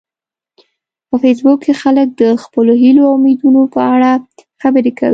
په فېسبوک کې خلک د خپلو هیلو او امیدونو په اړه خبرې کوي